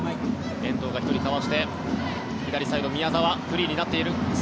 遠藤が１人かわして左サイド、宮澤フリーになっている。